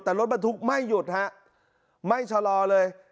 แต่รถบรรทุกไม่หยุดฮะไม่ชะลอเลย